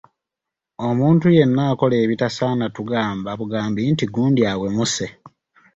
Omuntu yenna akola ebitasaana tugamba bugambi nti gundi awemuse.